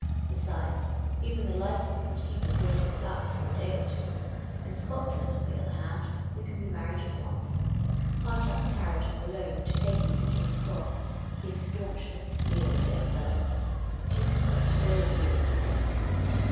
Besides, ev^en the license would keep us waiting about for a day or two. In Scotland, on the other hand, we can be married at once. Partab's carriage is below, to take you to King's Cross. He is staunch as steel, dear fellow. Do you consent to go with me